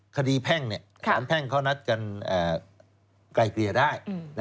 คดีแพ่งเนี่ยฐานแพ่งเขานัดกันไกล่เกลี่ยได้